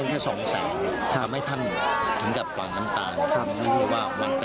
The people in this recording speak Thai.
นี่สุดของท่านนะครับ